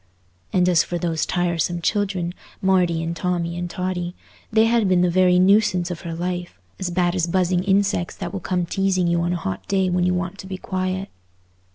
And as for those tiresome children, Marty and Tommy and Totty, they had been the very nuisance of her life—as bad as buzzing insects that will come teasing you on a hot day when you want to be quiet.